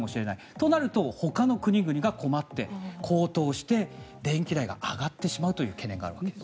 となるとほかの国々が困って、高騰して電気代が上がってしまうという懸念があるんです。